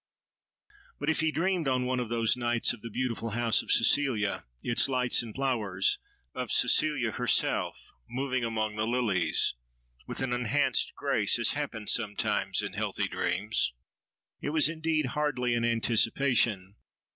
But if he dreamed on one of those nights of the beautiful house of Cecilia, its lights and flowers, of Cecilia herself moving among the lilies, with an enhanced grace as happens sometimes in healthy dreams, it was indeed hardly an anticipation.